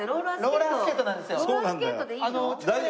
ローラースケートでいいの？